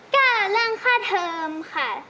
ก็เรื่องค่าเทิมค่ะ